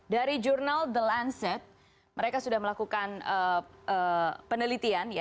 dari jurnal the landset mereka sudah melakukan penelitian